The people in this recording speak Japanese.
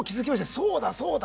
そうだそうだ。